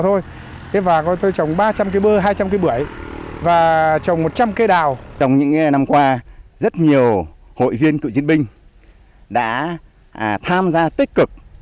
trồng những năm qua rất nhiều hội viên cựu chiến binh đã tham gia tích cực